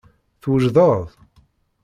Twejdeḍ?